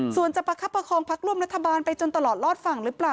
ส่วนจะประคับประคองพักร่วมรัฐบาลไปจนตลอดรอดฝั่งหรือเปล่า